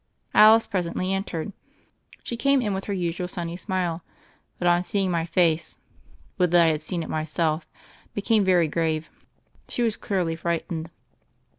Alice presently entered. She came in with her usual sunny smile, but on seeing my face — would that I had seen it myself — became very grave: she was clearly frightened.